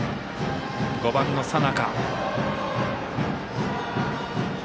５番の佐仲。